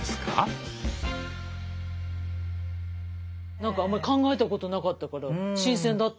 なんかあんまり考えたことなかったから新鮮だったわ。